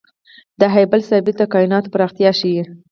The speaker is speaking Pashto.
د هبل ثابت د کائناتو پراختیا ښيي.